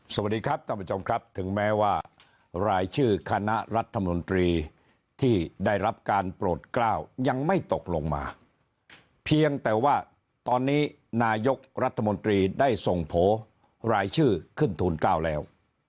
สวัสดีครับท่านผู้ชมครับถึงแม้ว่ารายชื่อคณะรัฐมนตรีที่ได้รับการโปรดกล้าวยังไม่ตกลงมาเพียงแต่ว่าตอนนี้นายกรัฐมนตรีได้ส่งโผล่รายชื่อขึ้นทูล๙แล้ว